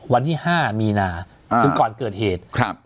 วันที่๕มีนาก่อนเกิดเหตุครับ